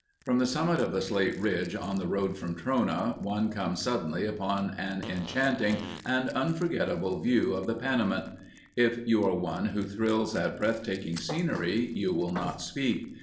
From the summit of the Slate Range on the road from Trona, one comes suddenly upon an enchanting and unforgettable view of the Panamint. If you are one who thrills at breath taking scenery you will not speak.